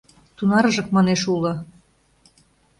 — Тунарыжак, манеш, уло.